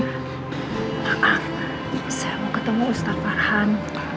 saya mau ketemu ustadz farhan